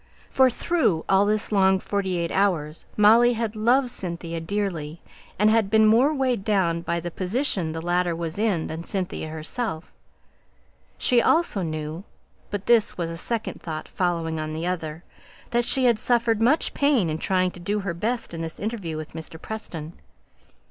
For, through all this long forty eight hours, Molly had loved Cynthia dearly; and had been more weighed down by the position the latter was in than Cynthia herself. She also knew but this was a second thought following on the other that she had suffered much pain in trying to do her best in this interview with Mr. Preston.